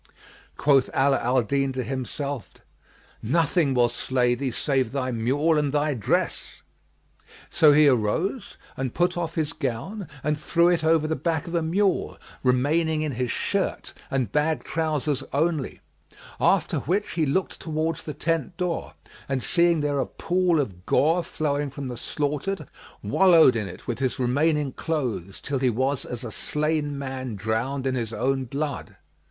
Quoth Ala al Din to himself, "Nothing will slay thee save thy mule and thy dress!"; so he arose and put off his gown and threw it over the back of a mule, remaining in his shirt and bag trousers only; after which he looked towards the tent door and, seeing there a pool of gore flowing from the slaughtered, wallowed in it with his remaining clothes till he was as a slain man drowned in his own blood.